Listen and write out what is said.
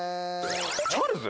チャールズ？